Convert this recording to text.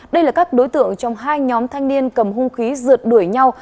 đây là các đối tượng trong hai nhóm thanh niên cầm hung khí rượt đuổi nhau